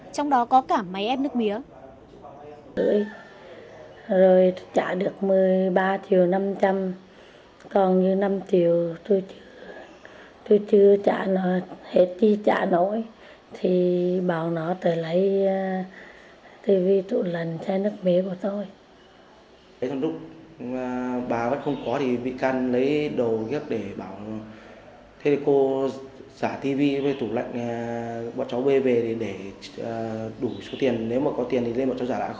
trong đó có cả máy ép nước mía